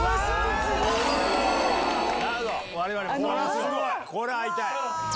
すごい！会いたい！